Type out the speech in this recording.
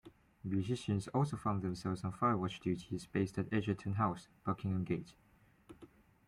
Musicians also found themselves on Fire Watch duties based at Egerton House, Buckingham Gate.